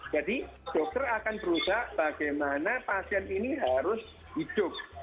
dokter akan berusaha bagaimana pasien ini harus hidup